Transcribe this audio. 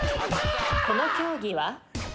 この競技は？